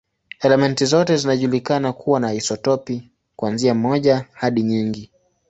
Elementi zote zinajulikana kuwa na isotopi, kuanzia moja hadi nyingi.